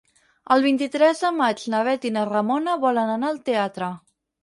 El vint-i-tres de maig na Bet i na Ramona volen anar al teatre.